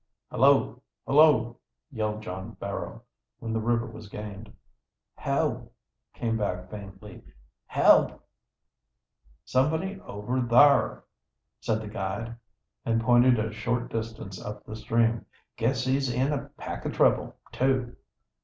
"Hullo! hullo!" yelled John Barrow, when the river was gained. "Help!" came back faintly. "Help!" "Somebody over thar!" said the guide, and pointed a short distance up the stream. "Guess he's in a peck o' trouble, too."